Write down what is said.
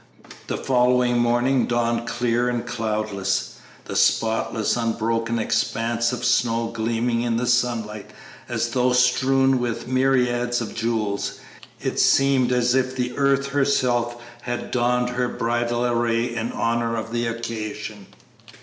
The following morning dawned clear and cloudless, the spotless, unbroken expanse of snow gleaming in the sunlight as though strewn with myriads of jewels; it seemed as if Earth herself had donned her bridal array in honor of the occasion.